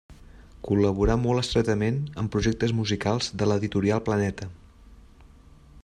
Col·laborà molt estretament en projectes musicals de l'editorial Planeta.